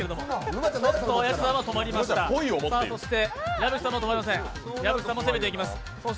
矢吹さんも止まりません、攻めていきます。